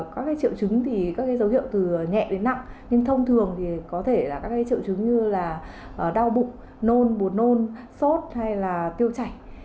các triệu chứng có dấu hiệu từ nhẹ đến nặng nhưng thông thường có thể là các triệu chứng như đau bụng nôn buồn nôn sốt hay tiêu chảy